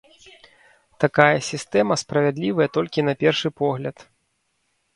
Такая сістэма справядлівая толькі на першы погляд.